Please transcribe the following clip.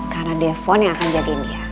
karena dia pon yang akan jadiin dia